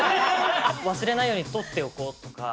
忘れないように録っておこうとか。